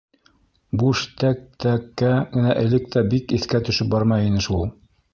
Буш «тәк-тәк»кә генә элек тә бик иҫкә төшөп бармай ине ул.